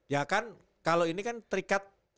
ya kan kalau ini kan terikat